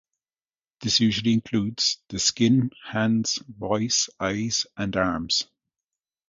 This usually includes: the skin, hands, voice, eyes, and arms.